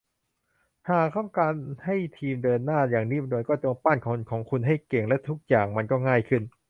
หากต้องการให้ทีมเดินหน้าอย่างนิ่มนวลก็จงปั้นคนของคุณให้เก่ง และทุกอย่างมันก็ง่ายขึ้น